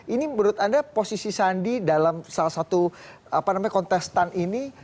ini menurut anda posisi sandi dalam salah satu kontestan ini